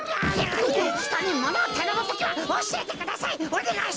ひとにものをたのむときは「おしえてください」「おねがいします」だろ！